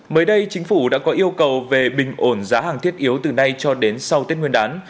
mới đây chính phủ đã có yêu cầu về bình ổn giá hàng thiết yếu từ nay cho đến sau tết nguyên đán